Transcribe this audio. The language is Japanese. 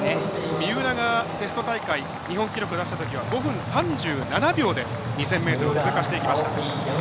三浦がテスト大会日本記録を出したときは５分３７秒で２０００ｍを通過していきました。